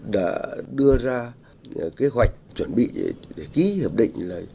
đã đưa ra kế hoạch chuẩn bị để ký hợp định là